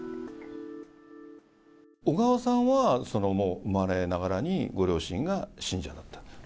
小川さんは、生まれながらにご両親が信者だった。